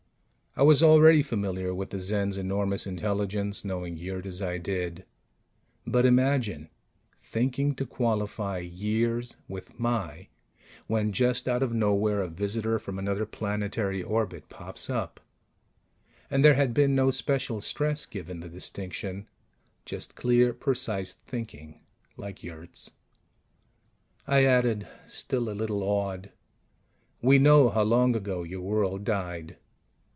I was already familiar with the Zens' enormous intelligence, knowing Yurt as I did ... but imagine thinking to qualify years with my when just out of nowhere a visitor from another planetary orbit pops up! And there had been no special stress given the distinction, just clear, precise thinking, like Yurt's. I added, still a little awed: "We know how long ago your world died."